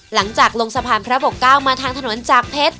หลังจากลงสะพานพระบกเก้ามาทางถนนจากเพชร